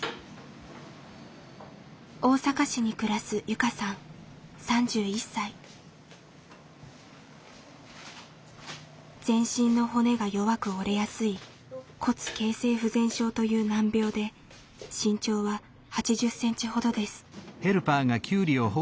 大阪市に暮らす全身の骨が弱く折れやすい「骨形成不全症」という難病で身長は８０センチほどです。